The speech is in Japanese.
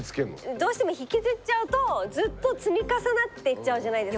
どうしても引きずっちゃうとずっと積み重なっていっちゃうじゃないですか。